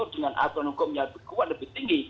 dengan aturan hukum yang lebih kuat lebih tinggi